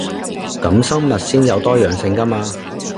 噉生物先有多樣性 𠺢 嘛